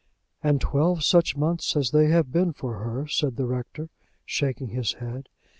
"And twelve such months as they have been for her!" said the Rector, shaking his head.